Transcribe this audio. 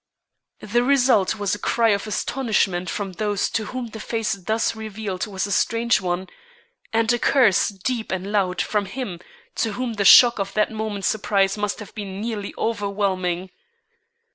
The result was a cry of astonishment from those to whom the face thus revealed was a strange one, and a curse deep and loud from him to whom the shock of that moment's surprise must have been nearly overwhelming.